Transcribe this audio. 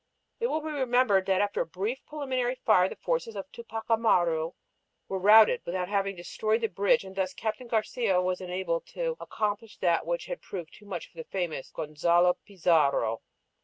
It will be remembered that after a brief preliminary fire the forces of Tupac Amaru were routed without having destroyed the bridge and thus Captain Garcia was enabled to accomplish that which had proved too much for the famous Gonzalo Pizarro.